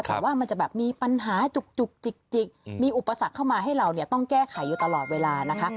แต่ว่ามันจะแบบมีปัญหาจุกจิกมีอุปสรรคเข้ามาให้เราเนี่ยต้องแก้ไขอยู่ตลอดเวลานะคะ